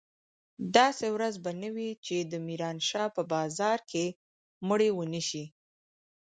داسې ورځ به نه وي چې د ميرانشاه په بازار کښې مړي ونه سي.